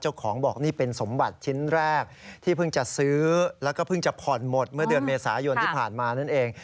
เจ้าของบอกนี่เป็นสมบัติชิ้นแรกที่เพิ่งจะซื้อแล้วก็เพิ่งจะผ่อนหมดเมื่อเดือนเมษายนที่ผ่านมานั่นเอง